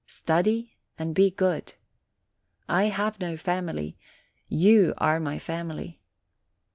Study and be good. I have no family; you are my family.